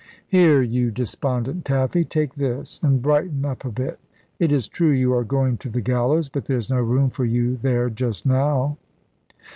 "Here, you despondent Taffy; take this, and brighten up a bit. It is true you are going to the gallows; but there's no room for you there just now."